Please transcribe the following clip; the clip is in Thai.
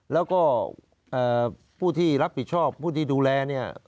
แล้วก็ผู้ที่รับผิดชอบผู้ที่ดูแลเนี่ย